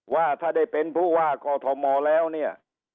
ว่าถ้าได้ผู้ว่ากคอทมมาต์แล้วเนี่ย